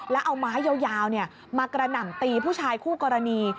แล้วเอาไม้ยาวมากระหน่ำตีผู้ชายคู่กรณี